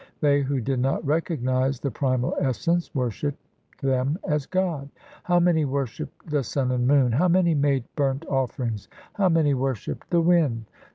They who did not recognize the Primal Essence, Worshipped them as God. How many worshipped the sun and moon ! How many made burnt offerings ! how many worshipped the wind